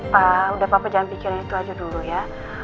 pak udah papa jangan pikirin itu aja dulu ya